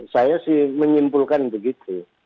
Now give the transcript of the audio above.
saya sih menyimpulkan begitu